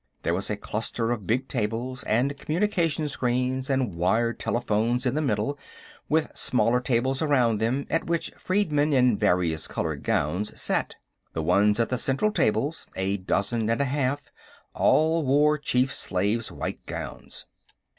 There was a cluster of big tables and communication screens and wired telephones in the middle, with smaller tables around them, at which freedmen in variously colored gowns sat. The ones at the central tables, a dozen and a half, all wore chief slaves' white gowns.